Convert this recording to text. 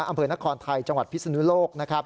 อำเภอนครไทยจังหวัดพิษนุโลก